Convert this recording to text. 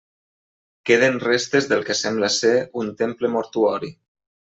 Queden restes del que sembla ser un temple mortuori.